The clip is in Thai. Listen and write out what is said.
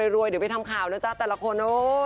รวยเดี๋ยวไปทำข่าวนะจ๊ะแต่ละคนโอ้